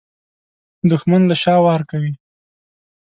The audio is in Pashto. دښمن له شا وار کوي